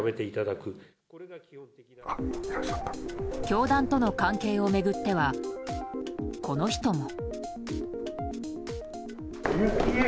教団との関係を巡ってはこの人も。